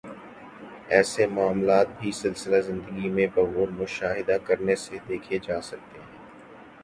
ایسے معاملات بھی سلسلہ زندگی میں بغور مشاہدہ کرنے سے دیکھے جا سکتے ہیں